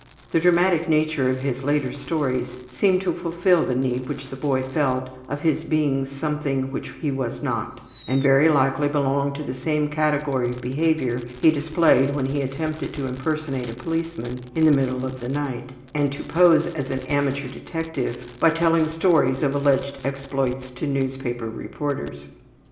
The dramatic nature of his later stories seemed to fulfill the need which the boy felt of his being something which he was not, and very likely belonged to the same category of behavior he displayed when he attempted to impersonate a policeman in the middle of the night, and to pose as an amateur detective by telling stories of alleged exploits to newspaper reporters.